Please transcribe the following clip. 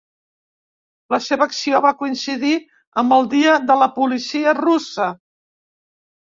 La seva acció va coincidir amb el Dia de la Policia Russa.